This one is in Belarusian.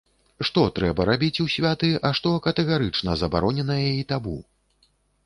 Што трэба рабіць у святы, а што катэгарычна забароненае і табу?